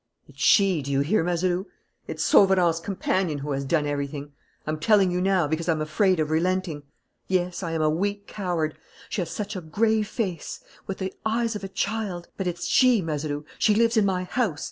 "It's she, do you hear, Mazeroux? it's Sauverand's companion who has done everything. I'm telling you now, because I'm afraid of relenting. Yes, I am a weak coward. She has such a grave face, with the eyes of a child. But it's she, Mazeroux. She lives in my house.